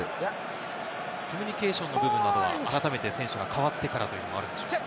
コミュニケーションの部分などは改めて選手が代わってからというのはあるんでしょうか？